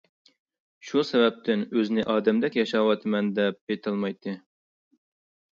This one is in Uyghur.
شۇ سەۋەبتىن ئۆزىنى ئادەمدەك ياشاۋاتىمەن، دەپ ئېيتالمايتتى.